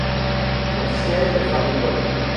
Son siège est Faribault.